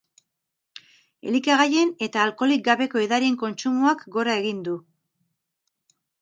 Elikagaien eta alkoholik gabeko edarien kontsumoak gora egin du.